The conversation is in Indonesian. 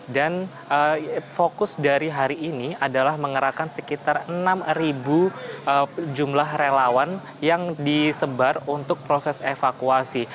dan fokus dari hari ini adalah mengerakan sekitar enam jumlah relawan yang disebar untuk proses evakuasi